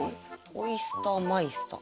オイスターマイスター。